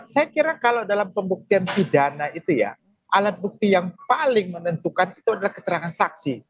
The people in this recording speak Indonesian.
saya kira kalau dalam pembuktian pidana itu ya alat bukti yang paling menentukan itu adalah keterangan saksi